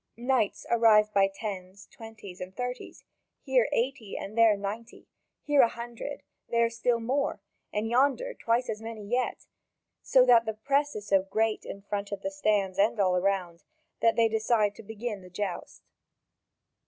Knights arrive by tens, twenties, and thirties, here eighty and there ninety, here a hundred, there still more, and yonder twice as many yet; so that the press is so great in front of the stands and all around that they decide to begin the joust.